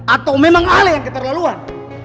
atau memang ada yang keterlaluan